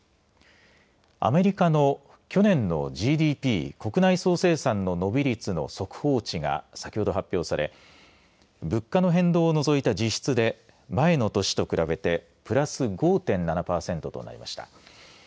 アメリカの去年のＧＤＰ国内総生産の伸び率の速報値が先ほど発表され物価の変動を除いた実質で前の年と比べてプラス５．７パーセントとなりました。